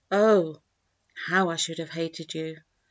Oh! How I should have hated you!